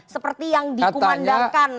seperti yang dikumandangkan